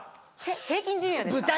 平均寿命ですか？